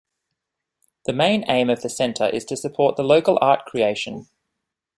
The main aim of the centre is to support the local art creation.